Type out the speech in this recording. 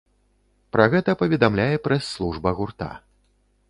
Пра гэта паведамляе прэс-служба гурта.